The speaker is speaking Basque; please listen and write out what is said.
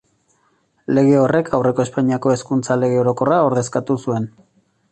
Lege horrek aurreko Espainiako Hezkuntza Lege Orokorra ordezkatu zuen.